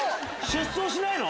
出走しないの？